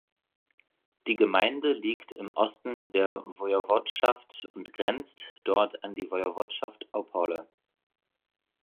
Die Gemeinde liegt im Osten der Woiwodschaft und grenzt dort an die Woiwodschaft Opole.